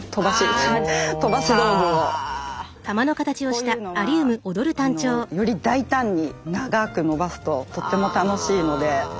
こういうのはより大胆に長く伸ばすととっても楽しいので。